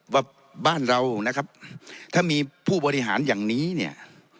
ว่าบ้านเรานะครับถ้ามีผู้บริหารอย่างนี้เนี่ย